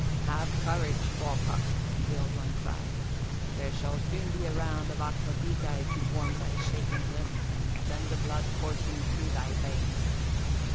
"Have courage, bawcock," the Old One cried; "there shall soon be a round of aqua vitæ to warm thy shaking limbs and send the blood coursing through thy veins.